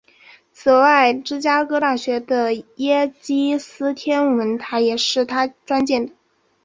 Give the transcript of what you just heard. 此外芝加哥大学的耶基斯天文台也是他捐建的。